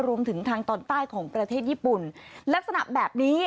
รวมถึงทางตอนใต้ของประเทศญี่ปุ่นลักษณะแบบนี้